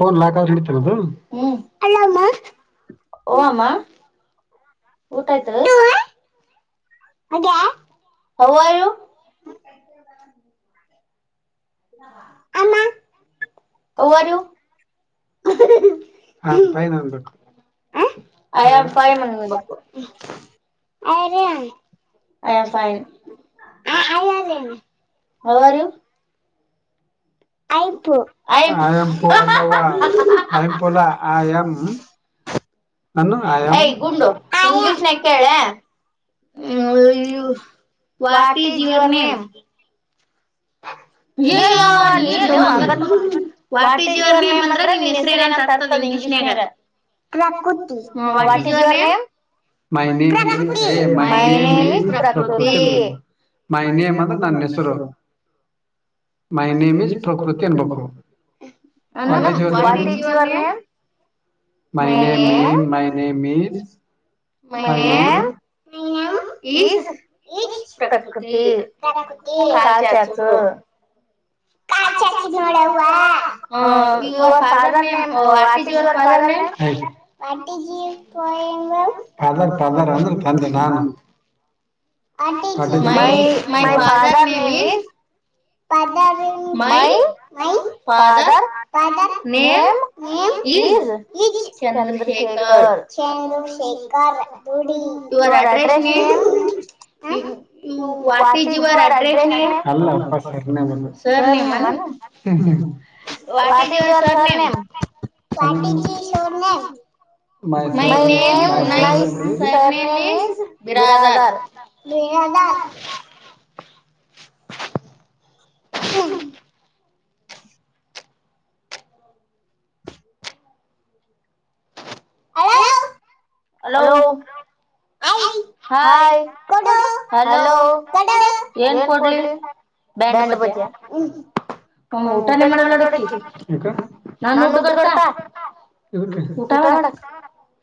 Phone [unintelligible] ಹು ಅಮ್ಮ್. ಊಟಾಯತ. ಅ ಹೌ ಆರ್ ಯು. ಆಮ್ಮ. How are you. I am ಫೈಣಅನ್ಬೇಕು ಬೇಕು. I'm fine. How are you. ಪು ಎ ಪವಾ ಐಪುಲ ಆಯಂ. ಂಡ ಕೇಳ. ಹ್ಮ ವಾಟಿ ಜಿವರ್ಣೇನು ಹಾ [unintelligible] ವಾಟ್ ಇಸ್ ಯುವರ್ ನೇಮ್ ಅಂದ್ರೆ ನಿನ್ನ ಹೆಸರು ಹೆನ್ ಅಂತ ಅರ್ಥ English ನಲ್ಲೆ [unintelligible] what is your name. My name is ರಾಜಪುತಿ. ಮ ನೇಮ್ ಅಂದ ನನ್ನ ನೆಸರು. ಮೈನೇಮಜಪ್ರಕೃತ ಮಖು ಅನ್ನು what is your name. May ಹ್ಮ ಜ [unintelligible] ಪ್ರಕೃತಿ ಕಲ್ಚತು. ಹೌ [unintelligible] ಇ ಅವ ಫಾದರ್ ನೇಮ್ ಆಟಜಿ hour father name. Father father ಅಂದ ತಂದ ನಾನು. ಮೈ ಮೈ ಫಾಾದರ್ ನೇಮ ಇ. ಪಾದ ಮೈ ಪಾದ ಪಾದ ನೇಮ ನಮ. ಈಜ ಈ ಚಂದ್ರಶೇಖರ್ ಚಂದ್ರಶೇಖರ್ ಗಡಿ ಯರ್. ನಟರೇಶ್ ನೀ. ವಾಟೀಜರ address. What is your surname. What is your surname. My name is Radha. Radha. ಹ್ಮ. [unintelligible] ಹಲೋ. ಯ ಹ್ ಕ ಹಲೋ ಕಡ ಏನ್ ಕೊಡ್ಲಿ. ಬ್ಯಾಂಡ ಬಜೆ. ಒ ಊಟಾನೇ ಮಾಡಲ್ಲ ನೋಡಕಿ ನಾು ಊಟಗರ್ತ. ಊಟ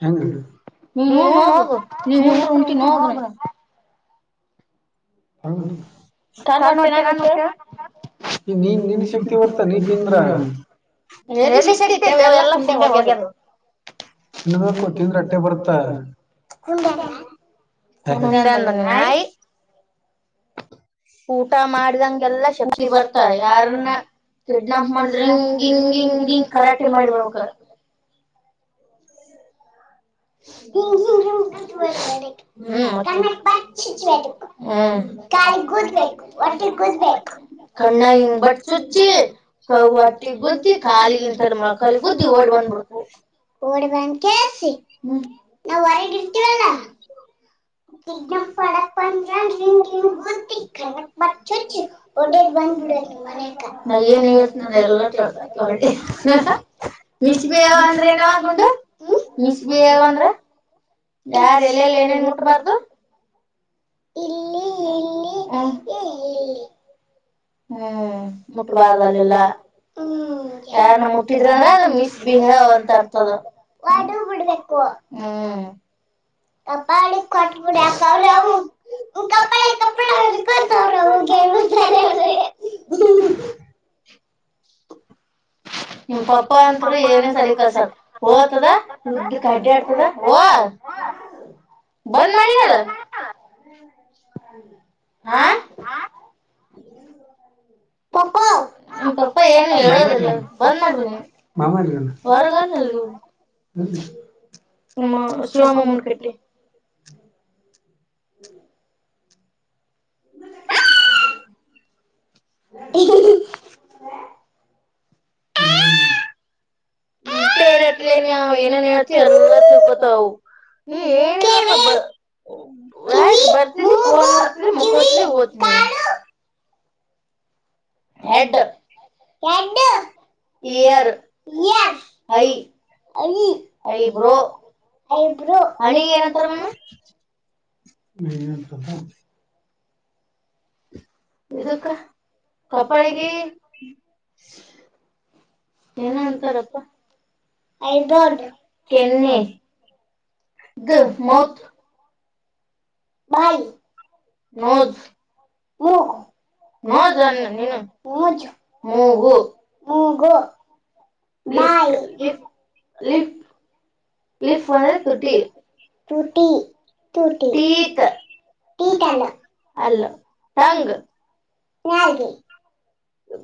ಹೆಂಗ. ನೀವ್ ಹನ್ ಹೋಗುದು ನೀವ್ ಹಂದ್ರ ಉಂಟಿ ಹೋಗ್ರ. ಕ್ಣ ಒಟ್ಟೆ ನಾನುಟ. ಈ ಮನ್ ಮೀನ್ ಸುತಿಿ ಮತ್ತು ಅಲ್ಲಿ ತುಂಬ್ರು. ಎಲ್ಲಿ ಶಕ್ತಿತೆ ಎಲ್ಲಾ ಕುುಂಡೆ ಹೋಗ್ಯನು. ಹ ಕೊಲಿ ಬರ್ತ. ಕುಂಡೆ ಅಂತ ನಿಿನಯ್. ಊಟ ಮಾಡ್ದಂಗೆಲ್ಲಾ ಶಕ್ತಿ ಬರ್ತ ಯಾರನ್ನ. ಕಿಡ್ನಾಪ್ ಮಾಡಿದ್ರ ಹಿಂಗ ಹಿಂಗ ಹಿಂಗ ಹಿಂಗ್ ಕರಾಟೆ ಮಾಡಿಬಬೇಕ. ಹ್ಮ ಹ್ಮ್. ಕ್ಣ ಬಟ್ ಸುಚ್ಚಿ. ಮತ್ತಿಗಿ ಗುದ್ದಿ ಕಾಲಿಗಿಂತಲಿ ಮಲ್ಕಾಳಿಗ್ ಗುದ್ದಿ ಓಡ್ ಬಂದ್ಬಿತು ಓಡಿ ಬಂದ್ ಕೆಸಿ. ಹ್ಮ್ ನಾವ್ ಹೊರಗ್ ಇರ್ತೀವಲ್ಲ. [inaudible] ಕಿಡ್ನಾಪ್ ಮಾಡಕ್ ಬಂದ್ರ ಹಿಂಗ್ ಹಿಂಗ್ ಗುದ್ಧಿ ಕಾಂಗಟ್ ಬಟ್ ಚುಚ್ಚಿ ಓಡೋಡಿ ಬಂದ್ ಬಿಡೋದು. ಮಾನ್ಯಕ ನಾ ಹೇಳರ್ತೀನಿ ಅದೆಲ್ಲಾ ಕೇಳ್ತದ ಕೇಳ್ ಮಿಸಬಿ ಅವ ಏನವ್ವ ಗುಂಡು ಹ್ಮ್ ಮಿಸ್ ಬಿ ಅವಂದ್ರ ಯಾರ್ ಎಲ್ಲೆಲ್ಲಿ ಏನೇನ್ ಮುಟ್ಟಬಾರ್ದು. ಇಲ್ಲಿ ಇಲ್ಲಿ ಹ್ಮ್ ಇಲ್ಲಿ ಇಲ್ಲಿ. ಹ್ಮ್ ಮುಟ್ಟಬಾರ್ದ ಅಲ್ಲೆಲ್ಲಾ. ಹ್ಮ ಯಾರ್ನ ಮುಟ್ಟಿದ್ರ ಅಂದ್ರ ಅದ ಮಿಸ್ ಬಿಹೇವ್ ಅಂತ ಅರ್ತದು. ಹೋಡುದ ಬಿಡಬೇಕು ಹ್ಮ. ಕಪಾಳಿಗ್ ಕೊಟ್ಟಬಿಡಬೇಕ್ [unintelligible] ಹಿಂಗ್ ಕಪಾಳ ಕಪಾಳ [unintelligible] ಅವ್ರು. [unintelligible] ಹ ನಿಮ್ ಪಪ್ಪಾ ಅಂತ್ರು ಏನೇ ಸರಿ ಕಲ್ಸಲ್ ಹೋತದ ದುಡ್ ಅಡ್ಡಯಾಡ್ತದ ಓ ಅ ಬಂದ ಮಾಡಿನಲ ಹಾ ಎನಿಲವ್ವ. ಪಪ್ಪಾ. ನಿಮ್ ಪಪ್ಪ ಏನು ಹೇಳದಿಲ್ಲ ಬಂದ್ ಮಾಡ್ ಬಂದಿನಿ ಮಾಮಾ ಎಲ್ ಹೋಗ್ಯನ ಹೊರಗ ಹಾನ್ [unintelligible] ಮ [unintelligible] ಕಟ್ಟಿ. ಹ್ಮ್ [inaudible] [unintelligible] ಇಟೇ ಇರತ್ಲೆ ನೀ ಅಂವ ಏನೇನ್ ಹೇಳ್ತಿ ಎಲ್ಲ ತಿಳಕೋತಾವ್ ಅವು. ನೀ ಏನಿಲ್ಲ ಪಪ್ಪಾ ವಾ ಆಯ್ತ ಬರ್ತಿದಿ ಫೋನ್ ನೊಡ್ತಿದಿ ಮುಕ್ಕೋತಿದಿ ಹೋತಿ. ಹೆಡ್. ಯಡ್ಡು. Ear eye eye eyebrow. Eyebrow ಹಣಿಗಿ ಏನಂತರ ಅಮ್ಮು. ಹ್ಮ್ ಇದಕ್ಕ ಕಪ್ಪಳಿಗಿ. ಏನೋ ಅಂತರಪ್ಪ ಹೈಬರ್ಡ್ ಕೆನ್ನೆ. The mouth. ಬಾಯಿ ನೋಜ. ಮೂಗು. ನೋಜ ಅಂದ್ರ ಎನ್ ನೋಜ್ ಮೂಗು ಮೂಗು. ಬಾಯಿ ಇ ಇ ಲಿಟ್. ಲಿಫು ಅಂದ್ರೆ ತುಟಿ ತುಟಿ ತುಟಿ ಟಿಟ್ ಟಿಟ್ ಹಲ್ ಹಲ್ಲ ಟಂಗ್ ನಾಲ್ಗೆ.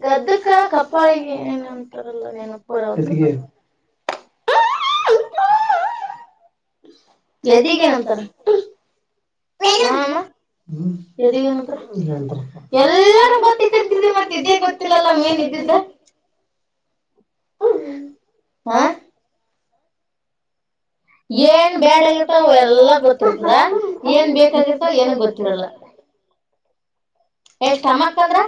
ಗದ್ದಕ್ಕ ಕಪ್ಪಾಳಿಗಿ ಏನ ಅಂತಾರಲ್ಲ ನೆನಪ ಬರವಲ್ದು. ಎದೀಗ್ ಎನ್ ಅಂತಾರ ಹ ಅಮ್ಮು. ಹ್ಮ್ ಎದೀಗ್ ಎನ್ ಅಂತರ ಹ್ ಏನಂತರಪ್ಪ ಎಲ್ಲಾನೂ ಇಟ್ಟಿರ್ತಿದೀ ಮತ್ತ ಇದ್ಯಾಕ ಗೊತ್ತಿಲ್ಲಲ್ಲ ಮೆನ್ ಈ ಇದ್ದ. [inaudible] ಹಾ ಏನ್ ಬ್ಯಾಡಗಿತ್ತೋ ಅವೆಲ್ಲಾ ಗೊತ್ತಿರ್ತದ ಏನ್ ಬೇಕಾಗಿತ್ತೋ ಏನು ಗೊತ್ತಿರಲ್ಲ. [inaudible] ಏ ಸ್ಟಮಕ್ ಅಂದ್ರ.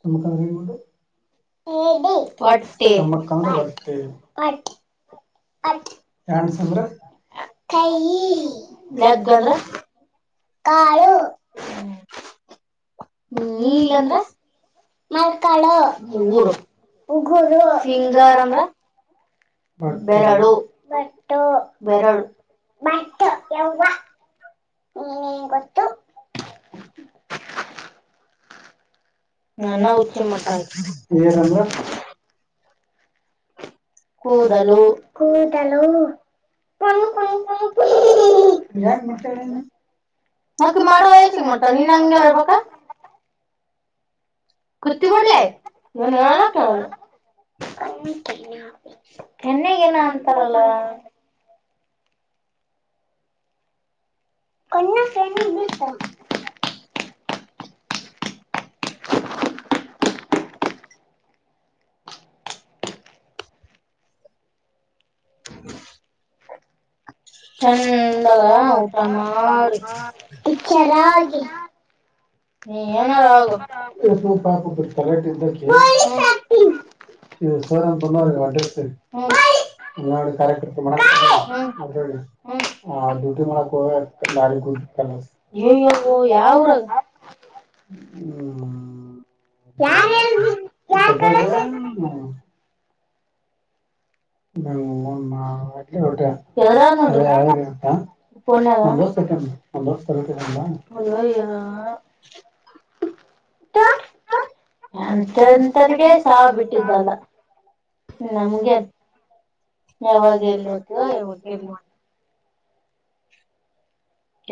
ನಮಕ [unintelligible] ಹದು ತಟ್ಟೆ [unintelligible] ಅಂತ್ ಥ್ಯಾಂಕ್ಸ್ ಅಂದ್ರೆ ಕಾಯಿ ಲೇಗ್ ಅಂದ್ರೆ ಕಾಲು ಹ್ಮ್ ನೀಲ್ ಅಂದ್ರೆ ಮೊಲ್ಕಳು ಉಂಗುರು ಫಿಂಗರ್ ಅಂದ್ರೆ ಬೆರಳು ನೆಟ್ಟು ಬೆರಳ್ ಮತ್ತು ಯವ ನೀ ಬಂತ್ತು ನನ್ನ ಹುಚ್ಚಿ ಮಡ್ತಾಳ್ [unintelligible] ಕೂದಲು ಕೂದಲು ಯಾಕ್ ಮಾತಡಲ್ಲ ಮತ್ತೆ ಮಾಡುವ ವಯಸ ಮಾಡತವ ನಿನ್ ಹಂಗೆವ ಕ್ಕ ಕುತ್ತಿರೊದೆ ಏನ್ನೆನತ ಕೆನ್ನೆಗೆನೆ ಅಂತಾರಲ್ಲ ಕಣ್ಣು ಸರಿ ಬಿತ್ ಹ್ಮ ಚಂದದ ಊಟ ಮಾಡಿ ಪಿಚ್ಚರ್ ಆಗಿ ನಿನ್ ಏನಾದ್ರೂ ಆಗು [unintelligible] ಪೋಲೀಸ್ ಆಗತ್ತೀನಿ ಇದು [unintelligible] ಅಡ್ರಸ್ಸ ನಡಿ ಕಾರ್ಯಕರ್ತ ಮಾಡ್ತೀನಿ ಡ್ಯೂಟಿ ಮಾಡಕ್ ಹೋಗ ಬಾರಿ [unintelligible] ಯೊ ಯೊ ಯಾವು ಊರ ಹ್ಮ [unintelligible] ಹ್ಮ [unintelligible] ಪೋನ್ ಮಾಡ್ ಎಷ್ಟು [unintelligible] ಎಂತೆಂತರಿಗ ಸಹ ಬಿಟ್ಟಿದ್ದಲ್ಲ ನಮ್ಗೆ ಯಾವಾಗ ಏನ್ ಮಾಡ್ತೀಯ ಯಾವಾಗ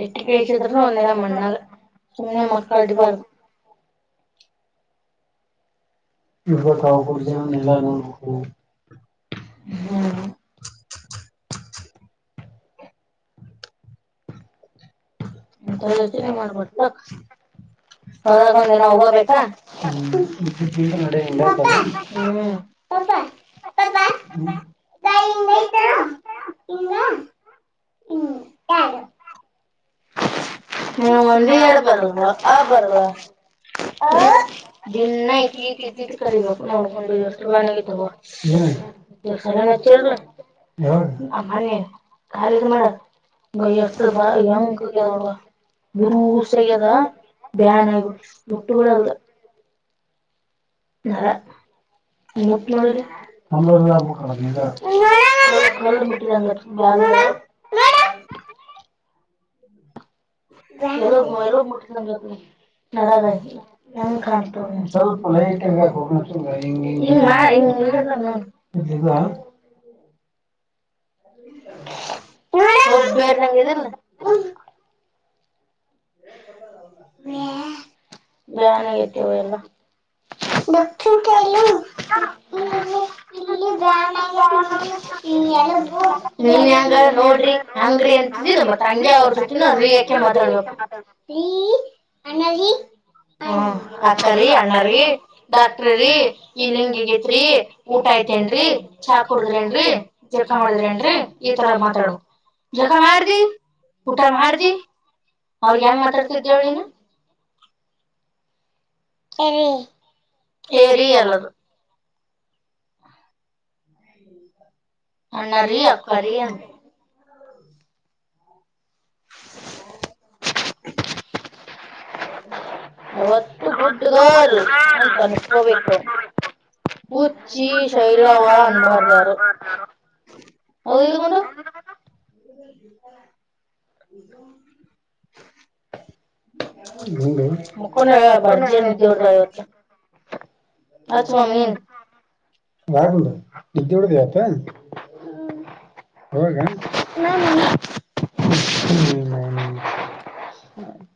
ಎಟ್ಟ ಕೆಸಿತ ಒಂದೆನ ಮಣ್ಣಾಳ ಸುಮ್ಮನೆ ಮಕ್ಕಾ ಅಟದು [unintelligible] ನಡ್ಬೇಕ ಅವ ಪರ್ ಜೀವನ್ ಎಲ್ಲಾ ನೋಡ್ಬೇಕು ಹ್ಮ್ ಮತ್ತ [unintelligible] ಅವಾಗ ಒಂದನ ಹೋಗಬೇಕಾ ಹ್ಮ್ ಪಪ್ಪ ಪಪ್ಪ ಪಪಾ ಪಪ್ಪ ಬಾಯಿ ಇನ ಹ್ಮ್ ತಾನ್ ನೀನು ಒಂದ ಎರಡ್ ಬರ್ಪ್ಪ ಹ ದಿನ ಕೀಟಿ ಕಿಟ್ಕಳ ನ ತು ಬಾನತ ಎಷ್ಟ್ ಗ್ರಾಂ ಐತೆ ನೋಡ್ ಸಚ್ಚ ಮನ್ [unintelligible] ಕಾಲದು ಮಾಡದು ಬೈ ಎಷ್ಟ [unintelligible] ಬರುಸಗದ ಬ್ಯಾನ್ ಆಗಬಟ್ಟ ಒಟ್ಟು ಕೂಡ ಅಲ್ದ [unintelligible] ಯಾರ ಮುಟ್ಟಿ ನೋಡಿ ಇಲ್ಲಿ [unintelligible] ನೋಡ ನೋಡ ಯಾವಾಗ್ ಮುಟ್ಟದ್ದೆ ನ ನಂಗ ಕಾಣ್ತದೆವಪ [unintelligible] ಇವರದ್ ನೋಡ್ [unintelligible] [unintelligible] ಬ್ಯಾನೆಗೆಟ್ವೆ ಇವೆಲ್ಲಾ [unintelligible] ನೀನ್ ಹೆಂಗ ನೋಡ್ರಿ ಹಂಗ್ರಿ ಅಂತ ನಮ್ಮ ತಂಗಿ ಅವ್ರ ಜೊತೆ [unintelligible] ಈ [unintelligible] ಅಪ್ಪ ರಿ ಅಮ್ಮ ರಿ ಡಾಕ್ಟ್ರ್ರೀ ಇಲ್ಲಿಂಗಗೇತ್ರಿ ಊಟ ಐತೇನ್ರರಿ ಚಾಕ್ ಕುಡದ್ರ ನ್ರರಿ ಏನ್ ರಿ ಈ ತರ ಮಾತಾಡಬೇಕು ಜಕ್ಕ ಮಾಡ್ದಿ ಊಟ ಮಾಡ್ದಿ ಅವ್ರ ಯಂಗ್ ಮಾತಾಡ್ತಿದ್ದೇವ ನೀನು ಹೇ ಏರಿ ಅಲ್ಲ ಅದು ಅಣ್ಣ ರಿ ಅಕ್ಕ ರಿ ಅನು [inaudible] ವಟು ಗುಡ್ ಗುಲ್ ವಟು ಗುಡ್ ಗುಲ್ [unintelligible] [unintelligible] ಶೈಲಾವಾ ಅಂಬರಾಡು ಹೌದ ಇಕೊಂಡು [unintelligible] ಮುಕ್ಕಂಡ ಬರ್ಜರ್ ನಿಿದ್ದಡ್ತಾವತ್ತ [unintelligible] ಇವಾಗ [unintelligible] [unintelligible]